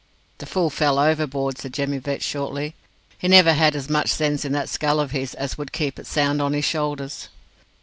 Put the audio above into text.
"The fool fell overboard," said Jemmy Vetch shortly. "He never had as much sense in that skull of his as would keep it sound on his shoulders."